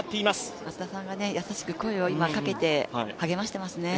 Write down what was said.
増田さんが今、優しく声をかけて励ましていますね。